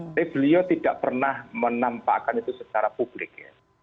tapi beliau tidak pernah menampakkan itu secara publik ya